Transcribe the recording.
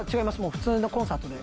普通のコンサートで。